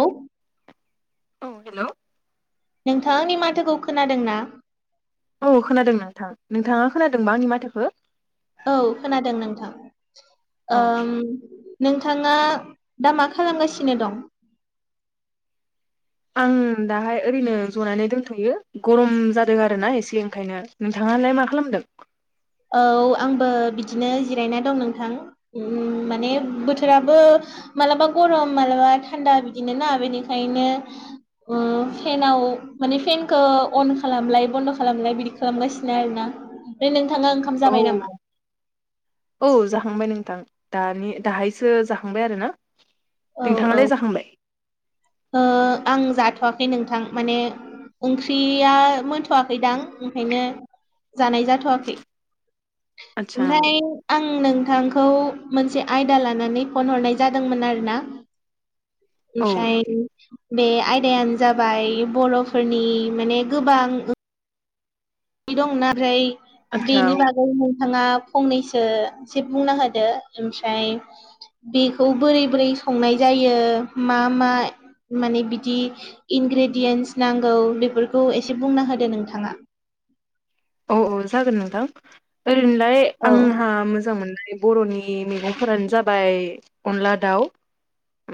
औ औ हेल'। नोंथांङा आंनि माथोखौ खोनादों ना? औ खोनादों नोंथां। नोंथाङा खोनादोंबा आंनि माथोखो? औ खोनादों नोंथां। औ ओम नोंथाङा दा मा खालामगासिनो दं? आं दाहाय ओरैनो जनानै दोनथ'यो गरम जादों आरोना एसे ओंखायनो। नोंथाङालाय मा खालामदों? औ आंबो बिदिनो जिरायना दं नोंथां ओम माने बोथोराबो मालाबा गरम मालाबा थान्दा बिदिनो ना बेनिखायनो ओम फेनाव माने फेनखौ अन खालामलाय बन्द' खालामलाय बिदि खालामगासिनो आरोना। दे नोंथांआ औ। औ जाखांबाय नोंथां। दानि दाहायसो जाखांबाय आरो ना। औ औ नोंथाङालाय जाखांबाय? ओ आं जाथ'वाखै नोंथां माने ओंख्रिया मोनथ'वाखैदां ओंखायनो जानाय जाथ'वाखै। आदसा ओमफ्राय आं नोंथांखौ मोनसे आयदा लानानै फन हरनाय जादोंमोन आरो ना। औ ओमफ्राय बे आयदायानो जाबाय बर'फोरनि माने गोबां दंना फ्राय आतसा बेनि औ बागै नोंथाङा फंनैसो इसे बुंना होदो ओमफ्राय बेखौ बोरै-बोरै संनाय जायो मा मा माने बिदि इनग्रेडियेन्स नांगौ बेफोरखौ एसे बुंना होदो नोंथाङा। औ-औ जागोन नोंथां ओरैनोलाय औ आंहा मोजां मोननाय बर'नि मैगंफोरानो जाबाय अनला दाउ।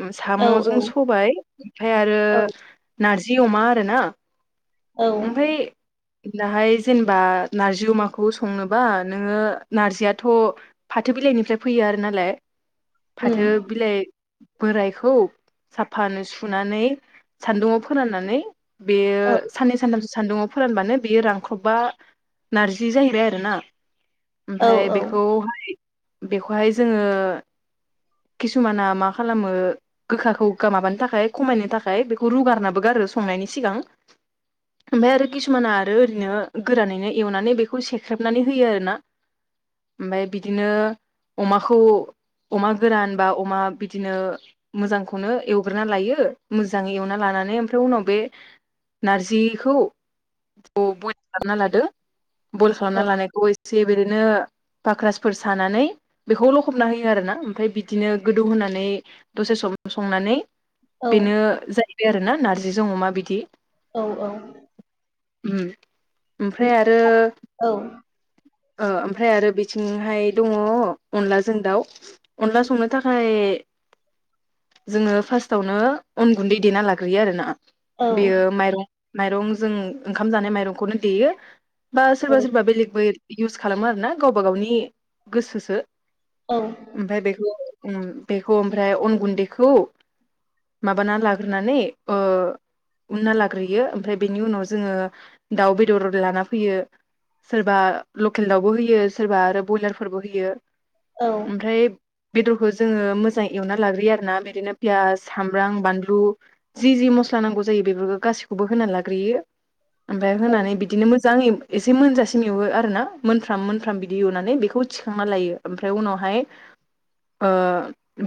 ओ औ औ साम'जों सबाय ओमफ्राय आरो औ नारजि अमा आरोना। औ ओमफ्राय दाहाय जेनेबा नारजि अमाखौ संनोबा नोङो नारजियाथ' फाथो बिलाइनिफ्राय फैयो आरो नालाय उम फाथो बिलाइ बोरायखौ साफानो सुनानै सान्दुंङाव फोराननानै बेयो औ साननै सानथामसो सान्दुङाव फोरानबानो बेयो रांख्रब बा नारजि जाहैबाय आरो ना औ ओमफाय औ बेखौहाय बेखौहाय जोङो किसुमाना मा खालामो गोखाखौ माबानो थाखाय खमायनो थाखाय बेखौ रुगारनाबो गारो संनायनि सिगां। ओमफ्राय आरो किसुमाना आरो ओरैनो गोरानैनो एवनानै बेखौ सेख्रेबनानै होयो आरो ना। ओबाय बिदिनो अमाखौ। अमा, गोरान बा अमा, बिदिनो। मोजांखौनो एवग्रोना लायो मोजाङै एवना लानानै ओमफ्राय उनाव बे। नारजिखौ बयेल खालामना लादो बयेल औ खालामना लानायखौ एसे। से बेदिनो। पाक्रासफोर सानानै बेखौलखबना होयो आरोना ओमफ्राय बिदिनो गोदौ होनोनानै। दसे सम संनानै औ बेनो जाहैबाय आरोना नारजिजों अमा बिदि। औ औ। ओम ओमफ्राय आरो। औ। ओ ओमफ्राय आरो बेथिंहाय दङ, अनलाजों दाउ। अनला संनो थाखाय। जोङो फार्स्टआवनो अन गुन्दै देना लाग्रोयो आरो ना। औ बेयो औ माइरं, माइरं जों ओंखाम जानाय माइरंखौनो देयो। बा सोरबा सोरबा बेलेगबो इउस खालामो आरो ना गावबा गावनि गोसोसो। औ। ओमफ्राय बेखौ ओम बेखौ ओमफ्राय अन गुन्दैखौ। माबाना लाग्रोनानै ओ। उनना लाग्रोयो ओमफ्राय बेनि उनाव जोङो दाउ बेदर, लाना फैयो। सोरबा लकेल दावबो होयो सोरबा आरो बयलारफोरबो होयो ओमफ्राय। बेदरखौ जोङो मोजां एवना लाग्रोयो आरो ना बिदिनो पियास, सामब्राम, बानलु। जि जि मस्ला नांगौ जायो बेफोरखौ गासैखौबो होनानै लाग्रोयो। ओमफ्राय होनानै बिदिनो मोजाङै एसे मोनजासिम। एवो आरो ना मोनफ्राम, मोनफ्राम बिदि एवनानै बेखौ थिखांना लायो ओमफ्राय उनावहाय। ओ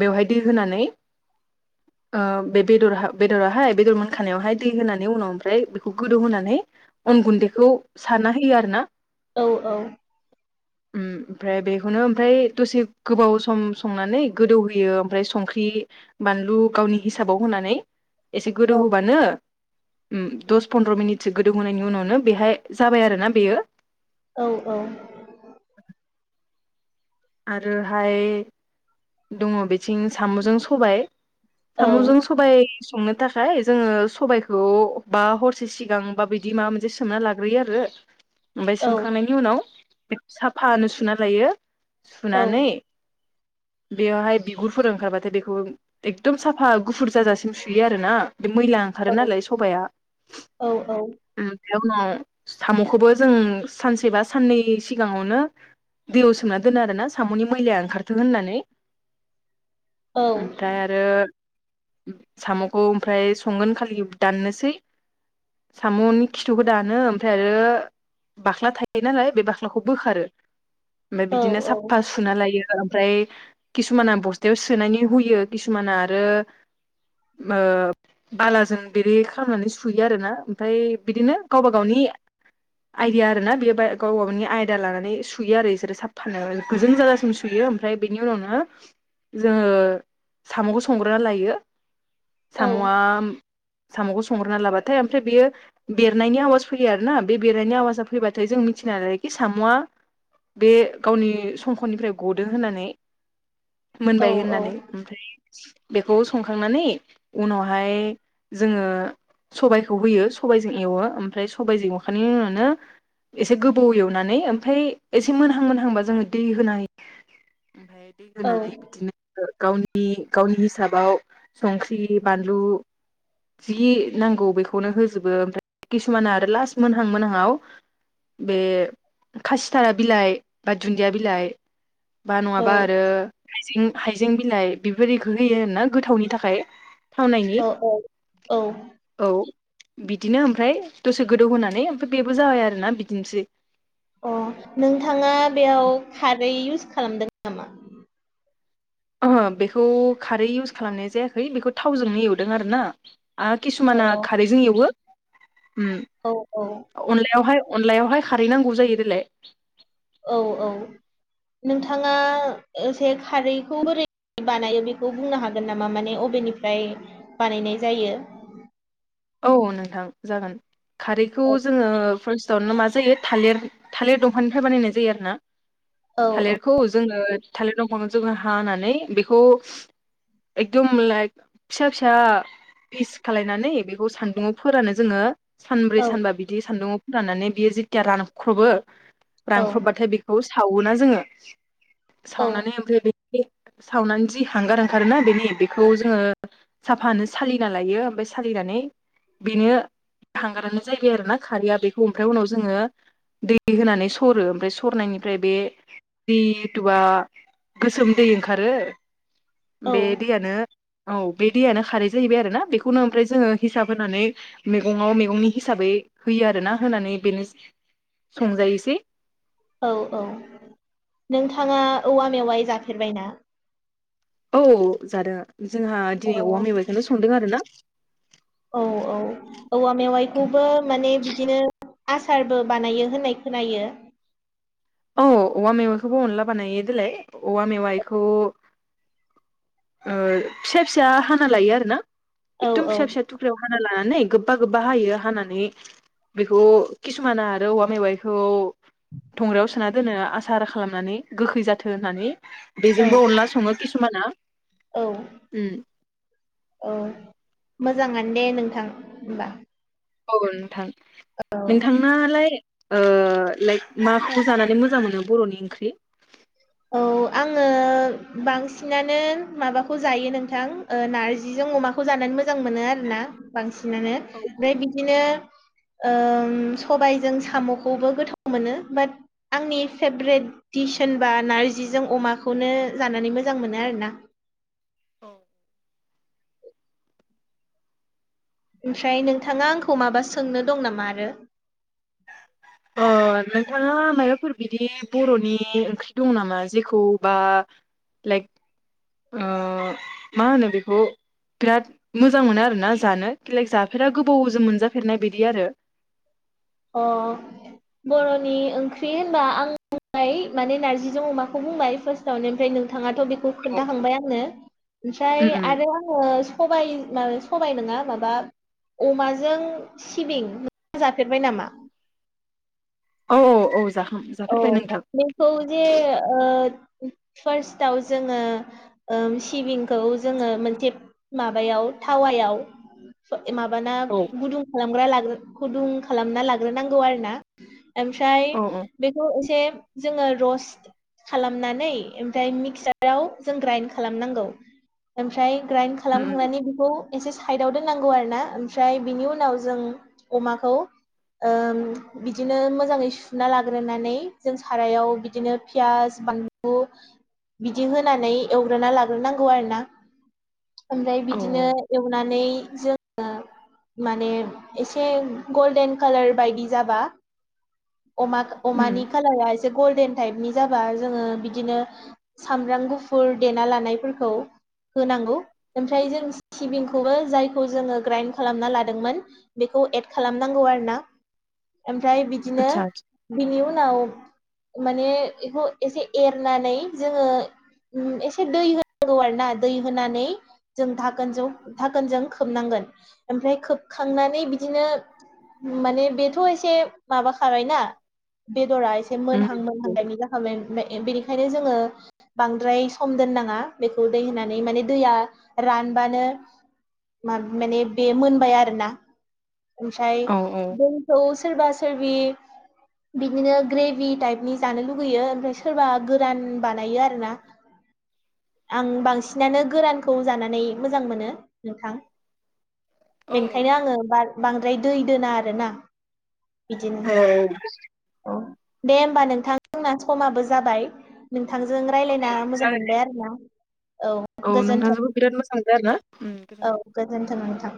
बेवहाय दै होनानै। [unintelligible] ओ बे बेदर, बेदराहाय बेदर मोनखानायावहाय दै होनानै उनाव ओमफ्राय बेखौ गोदौहानै। अन गुन्दैखौ सारना होयो आरो ना। औ औ। उम [unintelligible] ओमफ्राय बेखौनो ओमफ्राय दसे गोबाव सम संनानै गोदौहोयो ओमफ्राय संख्रि बानलु गावनि हिसाबाव होनानै एसे गोदौ होबानो ओम दस पन्द्र' मिनिटसो गोदौहोनायनि उनावनो बेहाय जाबाय आरो ना बेयो। औ औ। [unintelligible] आरोहाय दङ' बेथिं साम'जों सबाय। साम'जों सबाय संनो थाखाय जोङो सबायखौ बा हरसे सिगां बा बिदि माबा मोनसे सोमना लाग्रोयो आरो [unintelligible] ओमफ्राय सोमखांनायनि उनाव बेखौ साफानो सुना लायो सुनानै। बेवहाय बिगुरफोर ओंखारबाथाय बेखौ। एखदम साफा गुफुर जाजासिम सुयो आरो ना बे मैलां। ओंखारो नालाय सबाया। बे उनाव साम'खौबो जों सानसे बा साननै सिगाङावनो। दैयाव सोमना दोनो आरोना साम'नि मैलाया ओंखारथो होननानै। ओमफ्राय आरो साम'खौ ओमफ्राय संगोन खालि दाननोसै। साम'नि खिथुखौ दानो ओमफ्राय आरो। बाख्ला थायो नालाय बे बाख्लाखौ बोखारो। ओमफाय बिदिनो साफफा सुना लायो ओमफ्राय किसुमाना बस्थायाव सोनानै हुयो किसुमाना आरो ओ बालाजों बिदि खालामनानै सुयो आरो ना ओमफ्राय बिदिनो गावबा गावनि आइदिया आरो ना बेयो बा गावबा गावनि आयदा लानानै सुयो आरो इसोरो साफानो गोजों जाजासिम सुयो ओम फ्राय बेनि उनावनो जोङो साम'खौ संग्रोना लायो। औ साम'आ साम'खौ संग्रोना लाबाथाय ओमफ्राय बेयो बेरनायनि आवाज फैयो आरो ना बे बेरनायनि आवाजा फैबाथाय जों मिथिना लायोखि साम'आ बे गावनि संख'निफ्राय गदो होननानै औ मोनबाय औ होननानै ओमफ्राय बेखौ संखांनानै उनावहाय जोङो सबाइखौ होयो सबाइजों एवो ओमफ्राय सबाइजों एवखांनायनि उनावनो एसे गोबाव एवनानै ओमफ्राय एसे मोनहां मोनहांबा जोङो दै होना होयो। ओमफ्राय दै अ होनानै बिदिनो गावनि गावनि हिसाबाव संख्रि, बानलु जि नांगौ बेखौनो होजोबो ओमफ्राय किसुमाना आरो लास्ट मोनहां मोनहाङाव बे खासिथारा बिलाइ बा दुन्दिया बिलाइ बा नङाबा आरो हाइजें हाइजें बिलाइ बेफोरदिखो होयो ना गोथावनि थाखाय थावनायनि। औ बिदिनो ओमफ्राय दसे गोदौ होनानै ओमफ्राय बेबो जाबाय आरो ना बिदिनोसै। अ नोंथाङा बेयाव खारै इउस खालामदों नामा? ओहो बेखौ खारै इउस खालामनाय जायाखै बेखौ थावजोंनो एवदों आरो ना। आ औ किसुमाना खारैजों एवो उम औ औ अनलायावहाय अनलायावहाय खारैनांगौ जायो देलाय। औ औ नोंथाङा एसे खारैखौ बोरै बानायो बेखौ बुंनो हागोन नामा माने अबेनिफ्राय बानायनाय जायो। औ नोंथां जागोन। खारैखौ जोङो फार्स टावनो मा जायो थालिर थालिर दंफांनिफ्राय बानायनाय जायो आरो ना औ थालिर खौ जोङो थालिर दंफांखौ जोङो हानानै बेखौ एकदम लाइक फिसा फिसा फिस खालायनानै बे खौ सान्दुंङाव फोरानो जोङो औ सानब्रै सानबा बिदि सान्दुङाव फोराननानै बेयो जेतिया रानख्रबो औ रानख्रबबाथाय बेखौ सावो ना जोङो। औ सावनानै ओमफ्राय बे सावनानै जि हांगार ओंखारो ना बेनि बेखौ जोङो साफानो सालिना लायो ओमफाय सालिनानै बेनो हांगारानो जाहैबाय आरो ना खारैया बेखौ ओमफ्राय उनाव जोङो दै होनानै सरो ओमफ्राय सरनायनिफ्राय बे दैथुआ गोसोम दै ओंखारो औ बे दैयानो औ बे दैयानो खारै जाहैबाय आरोना बेखौनो ओमफ्राय जोङो हिसाब होनानै मैगङाव मैगंनि हिसाबै होयो आरो ना होनानै बेनो संजायोसै औ औ नोंथाङा औवा मेवाय जाफेरबाय ना? औ जादों जोंहा औ दिनै औवा मेबायाइखौनो संदों आरो ना। औ औ। औवा मेवाइखौबो माने बिदिनो आसारबो बानायो होननाय खोनायो। औ औवा मेवाइखौबो अनला बानायो देलाय। औवा मेवाइखौ ओ फिसा फिसा हाना लायो आरो ना औ एकदम औ फिसा फिसा थुख्रायाव हाना लानानै गोबबा गोबबा हायो हानानै बेखौ किसुमाना आरो औवा मेवाइखौ धंग्रायाव सोना दोनो आसार खालामनानै गोखै जाथो होननानै। औ बेजोंबो अनला सङो किसुमाना। उम। अ मोजाङानो दे नोंथां होमबा। औ नोंथां औ नोंथांनालाय ओ लाइक माखौ जानानै मोजां मोनो बर'नि ओंख्रि? औ। आङो बांसिनानो माबाखौ जायो नोंथां ओ नार्जिजों अमाखौ खौ जानानै मोजां मोनो आरोना बांसिनानो औ ओमफ्राय बिदिनो ओम सबायजों साम'खौबो गोथाव मोनो बाट आंनि फेभरेट दिस होनबा नारजिजों अमाखौनो जानानै मोजां मोनो आर ना। औ ओमफ्राय नोंथाङा आंखौ माबा सोंनो दं नामा आरो अ नोंथाङा मायाबाफोर बिदि बर'नि ओंख्रि दं नामा जेखौ बा लाइक ओ मा होनो बेखौ बिराद मोजां मोनो आरोना जानो बेलक जाफेरा गोबावजों मोनजाफेरनाय बिदि आरो अ बर'नि ओंख्रि होनबा आं ओमफ्राय माने नारजिजों अमाखौ बुंबाय फार्स्टआवनो ओमफ्राय नोंथाङाथ' बे बे खौ उम खोन्थाखांबाय आङो ओमफ्राय उम आरो आङो सबाय मा सबबाय नङा माबा अमाजों सिबिं जा फेरबाय नामा? औ औ औ जाखां जाफेरबाय नोंथां। खौ जे ओ फार्स्टआव जोङो ओम सिबिंखौ जोङो मोनसे माबायाव थावायाव ओ माबाना औ गुदुं खालामग गुदुं खालामना लाग्रोनांगौ आरो ना ओमफ्राय औ उम बेखौ एसे जोङो रस्ट खालामनानै ओमफ्राय मिक्साराव जों ग्राइड खालामनांगौ ओमफ्राय ग्राइन्ड उम खालामखांनानै बेखौ एसे साइदाव दोननांगौ आरो ना ओमफ्राय बिनि उनाव जों अमाखौ ओम बिदिनो मोजाङै सुना लाग ग्रोनानै जों सारायाव बिदिनो फियास बानलु बिदि होनानै एवग्रोना लाग्रोनांगौ आरो ना ओमफ्राय औ बिदिनो औ एवनानै जों ओ माने एसे गल्डेन कालार बायदि जाबा अमा उम अमानि खाालारा एसे गल्डेन टाइपनि जाबा जोङो बिदिनो सामब्राम गुफुर देना लानायफोरखौ होनांगौ ओमफ्राय जों सिबिंखौबो जायखौ जोङो ग्राइन्ड खालामना लादोंमोन बेखौ एड खालामनांगौ आरो ना ओमफ्राय बिदिनो आतसा बिनि उनाव माने बेखौ एसे एरनानै जोङो एसे दै होनांगौ आरो ना दै होनानै जों धोनजों गोनजों खोबनांगोन ओमफ्राय खोबखांनानै बिदिनो माने बेथ' एसे माबाखाबायना? बेदरा एसे उम मोनहां मोनहां बायनि जाखाबोन बेनिखायनो जोङो बांद्राय सम दोननाङा बेखौ दै होनानै माने दैया रानबानो म माने बे मोनबाय आरोना। ओफ्राय औ दोंथ सोरोर बासोरबि बिदिनो ग्रेभि टाइपनि जानो लुगैयो ओमफ्राय सोरबा गोरान बानायो आरो ना आं बांसिनानो गोरानखौ जानानै मोजां मोनो नोंथां। औ बेखायनो आङो बार बांद्राय दै दोना आरोना बिदिनो औ औ औ दे होमबा नोंथांना समाबो जाबाय। नोंथांजों रायज्लायना मोजां जागोन मोनबाय आरो ना। औ नोंथांजोबो बिराद मोजां जाया आरो ना। औ गोजोन्थों नों थां